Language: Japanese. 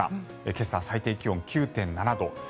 今朝、最低気温９．７度。